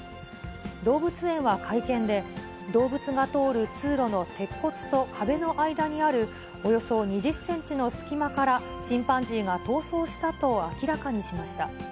動物園は会見で、動物が通る通路の鉄骨と壁の間にあるおよそ２０センチの隙間から、チンパンジーが逃走したと明らかにしました。